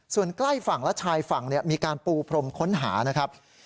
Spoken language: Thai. ส่วนใกล้ฝั่งและชายฝั่งมีการปูพรมค้นหานะครับ